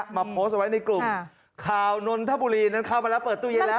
โพสต์ไว้ในกลุ่มข่าวนนทบุรีนั้นเข้ามาแล้วเปิดตู้เย็นแล้ว